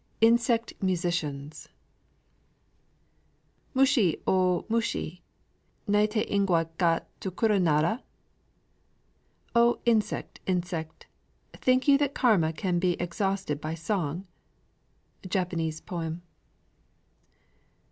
Insect Musicians Mushi yo mushi, Naïté ingwa ga Tsukuru nara? "O insect, insect! think you that Karma can be exhausted by song?" _Japanese poem.